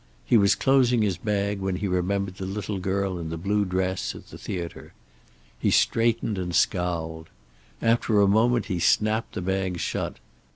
He was closing his bag when he remembered the little girl in the blue dress, at the theater. He straightened and scowled. After a moment he snapped the bag shut.